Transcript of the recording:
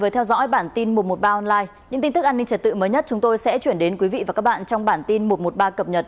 trong những trật tự mới nhất chúng tôi sẽ chuyển đến quý vị và các bạn trong bản tin một trăm một mươi ba cập nhật